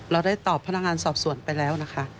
เราได้ตอบพนักงานสอบสวนไปแล้วนะคะ